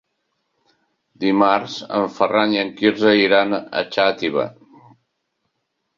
Dimarts en Ferran i en Quirze iran a Xàtiva.